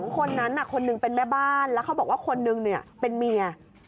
คนนั้นคนหนึ่งเป็นแม่บ้านแล้วเขาบอกว่าคนนึงเป็นเมีย